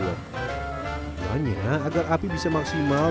hanya agar api bisa maksimal